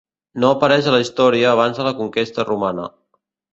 No apareix a la història abans de la conquesta romana.